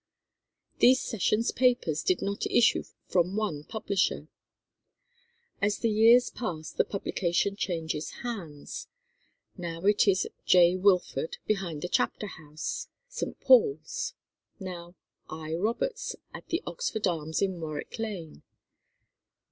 These sessions' papers did not issue from one publisher. As the years pass the publication changes hands. Now it is "J. Wilford, behind the Chapter House, St. Paul's;" now "I. Roberts at the Oxford Arms in Warwick Lane."